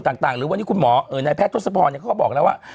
ต่างต่างหรือว่านี่คุณหมอเอ่อในแพทย์ทดสปรณ์เนี้ยเขาก็บอกแล้วว่า